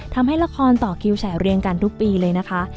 ทำให้ละครต่อคิวแฉเรียงกันทุกปีเลยนะคะ